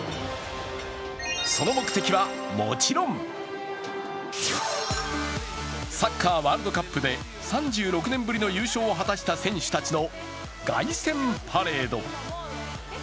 その目的は、もちろんサッカーワールドカップで３６年ぶりの優勝を果たした選手たちの凱旋パレード。